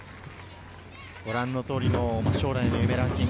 ご覧の通りの将来の夢ランキング。